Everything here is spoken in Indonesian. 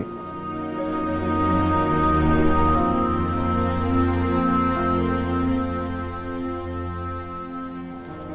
mas al siap